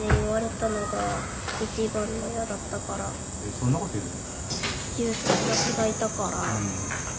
そんなこと言うの？